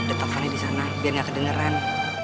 udah teleponnya di sana biar gak kedengeran